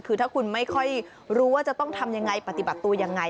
คือถ้าคุณไม่ค่อยรู้ว่าจะต้องทำยังไงปฏิบัติตัวยังไง